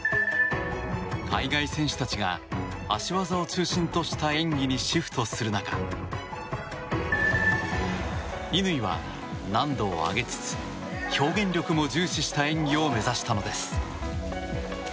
ライバル選手たちが脚技を中心とした演技にシフトする中乾は難度を上げつつ表現力も重視した演技を目指したのです。